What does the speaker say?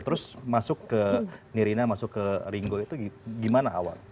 terus masuk ke nirina masuk ke ringo itu gimana awal